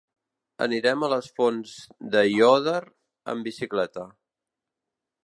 Anirem a les Fonts d'Aiòder amb bicicleta.